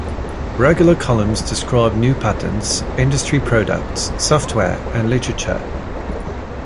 Regular columns describe new patents, industry products, software, and literature.